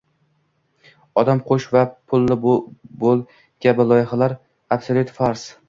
«Odam qo‘sh va pulli bo‘l» kabi loyihalar absolyut fars.